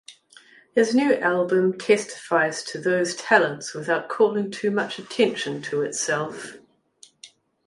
His new album testifies to those talents without calling too much attention to itself.